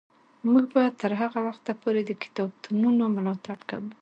موږ به تر هغه وخته پورې د کتابتونونو ملاتړ کوو.